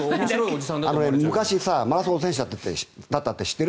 昔、マラソンの選手だったって知ってる？